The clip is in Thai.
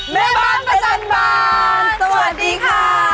แม่บ้านประจันบานสวัสดีค่ะ